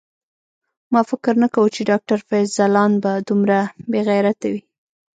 ما فکر نه کاوه چی ډاکټر فیض ځلاند به دومره بیغیرته وی